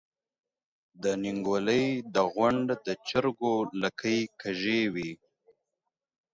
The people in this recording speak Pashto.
د نينګوَلۍ د غونډ د چرګو لکۍ کږې وي۔